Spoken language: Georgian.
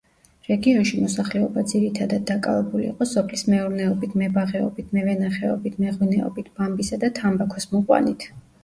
რეგიონში მოსახლეობა ძირითადად დაკავებული იყო სოფლის მეურნეობით, მებაღეობით, მევენახეობით, მეღვინეობით, ბამბისა და თამბაქოს მოყვანით.